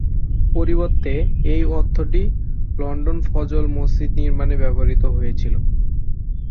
পরিবর্তে, এই অর্থটি লন্ডনে ফজল মসজিদ নির্মাণের জন্য ব্যবহৃত হয়েছিল।